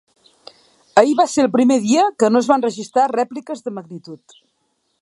Ahir va ser el primer dia que no es van registrar rèpliques de magnitud.